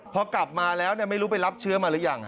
พอกลับมาแล้วไม่รู้ไปรับเชื้อมาหรือยัง